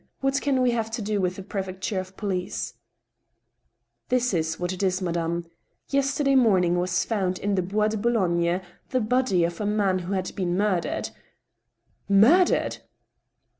What can we have to do with the prefect ure of police ?"" This is what it is, madame : Yesterday morning was found, in the Bois de Boulogne, the body of a man who had been murdered." "Murdered?"